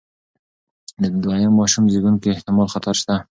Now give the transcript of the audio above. د دویم ماشوم زېږون کې احتمالي خطر شته.